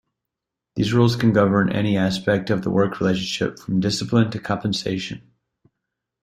These rules can govern any aspect of the work relationship from discipline to compensation.